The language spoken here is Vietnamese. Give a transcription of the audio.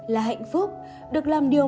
là hạnh phúc được làm điều